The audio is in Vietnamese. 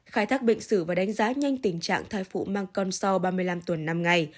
khai thác bệnh sử và đánh giá nhanh tình trạng thai phụ mang con sau ba mươi năm tuần năm ngày